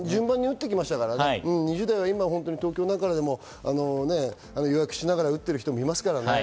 ２０代は今、東京などでも予約しながら打ってる方いますからね。